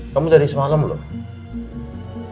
kamu tadi semalam belum